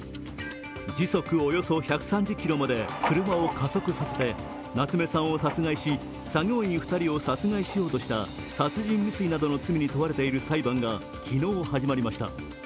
時速およそ１３０キロまで車を加速させて夏目さんを殺害し、作業員２人を殺害しようとした殺人未遂などの罪に問われている裁判が昨日、始まりました。